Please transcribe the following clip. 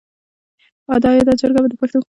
ایا دا جرګه به د پښتنو برخلیک بدل کړي؟